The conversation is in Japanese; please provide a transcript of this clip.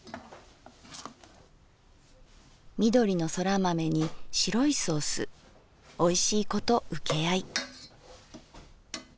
「緑のそら豆に白いソースおいしいこと請合い」。